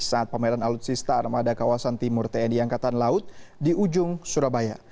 saat pameran alutsista armada kawasan timur tni angkatan laut di ujung surabaya